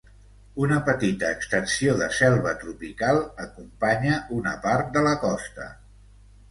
Una petita extensió de selva tropical acompanya una part de la costa.